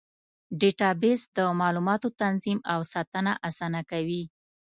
ډیټابیس د معلوماتو تنظیم او ساتنه اسانه کوي.